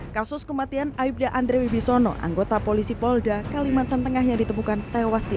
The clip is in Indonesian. kasus kematian aibda andrewibisono anggota polisi polda kalimantan tengah yang ditemukan tewas di